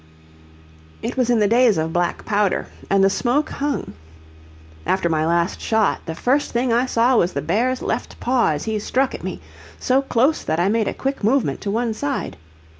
It was in the days of black powder, and the smoke hung. After my last shot, the first thing I saw was the bear's left paw as he struck at me, so close that I made a quick movement to one side.